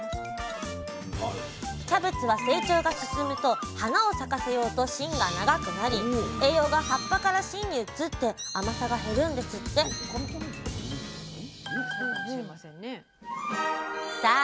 キャベツは成長が進むと花を咲かせようと芯が長くなり栄養が葉っぱから芯に移って甘さが減るんですってさあ